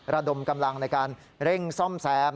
ระดมกำลังในการเร่งซ่อมแซม